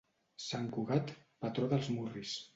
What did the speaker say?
Sant Cugat, patró dels murris.